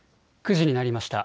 ９時になりました。